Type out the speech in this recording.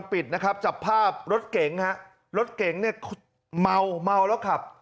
ปิดนะครับจับภาพรถเก๋งฮะรถเก๋งเนี่ยเมาเมาแล้วขับ